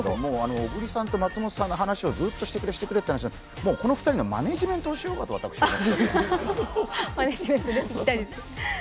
小栗さんと松本さんの話をしてくれしてくれと言われて、もうこの２人のマネージメントをしようかと私思います。